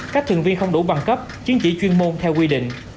các thường viên không đủ bằng cấp chiến trị chuyên môn theo quy định